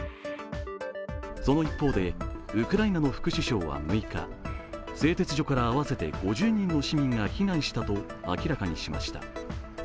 その一方でウクライナの副首相は６日、製鉄所から合わせて５０人の市民が避難したと明らかにしました。